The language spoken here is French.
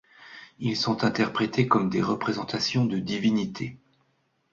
Ils sont interprétés comme des représentations de divinités.